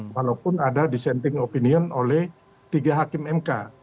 walaupun ada dissenting opinion oleh tiga hakim mk